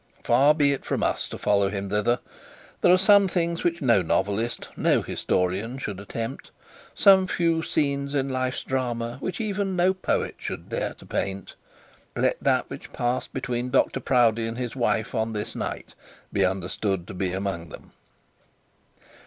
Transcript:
Far be it from us to follow him thither. There are some things which no novelist, no historian, should attempt; some few scenes in life's drama which even no poet should dare to paint. Let that which passed between Dr Proudie and his wife on this night be understood to be among them.